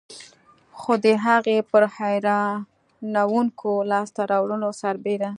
خو د هغې پر حیرانوونکو لاسته راوړنو سربېر.